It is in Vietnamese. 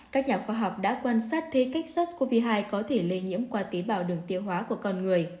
các nhà khoa học đã quan sát thấy cách sars cov hai có thể lây nhiễm qua tế bào đường tiêu hóa của con người